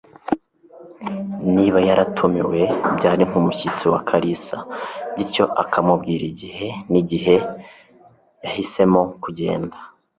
Niba yaratumiwe, byari nk'umushyitsi wa Kalisa, bityo akamubwira igihe nigihe yahisemo kugenda.